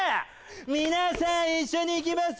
皆さん一緒にいきます